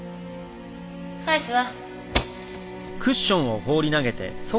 返すわ。